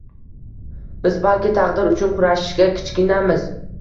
Biz balki taqdir uchun kurashishga kichkinamiz...